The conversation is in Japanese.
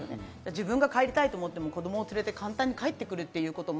自分が帰りたいと思っても子どもを連れて簡単に帰って来るっていうことも。